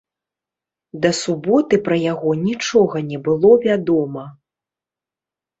Да суботы пра яго нічога не было вядома.